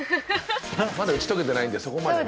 まだ打ち解けてないんでそこまでね。